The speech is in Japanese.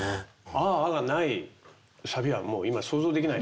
「ああ」がないサビはもう今想像できないです。